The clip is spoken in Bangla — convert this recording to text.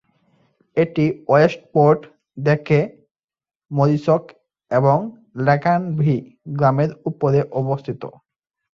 এটি ওয়েস্টপোর্ট থেকে, মরিসক এবং লেকানভি গ্রামের উপরে অবস্থিত।